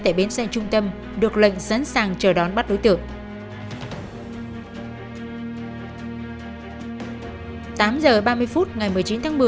để biến xe trung tâm được lệnh sẵn sàng chờ đón bắt đối tượng tám giờ ba mươi phút ngày một mươi chín tháng một mươi